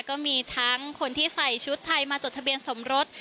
ก็มีทั้งคนที่ใส่ชุดไทยมาจดทะเบียนสมรส